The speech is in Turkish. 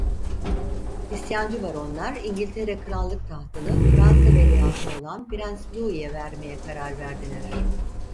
İsyancı baronlar İngiltere Krallık tahtını Fransa veliahtı olan Prens Louis'ye vermeye karar verdiler.